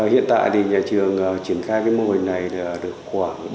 hiện tại nhà trường chuyển khai mô hình này được khoảng